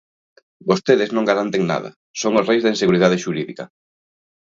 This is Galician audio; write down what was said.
Vostedes non garanten nada, son os reis da inseguridade xurídica.